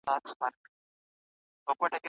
که پرده وي نو صحنه نه پټیږي.